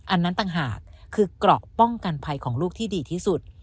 อันนั้นต่างหากคือเกราะป้องกันภัยของลูกที่ดีที่สุด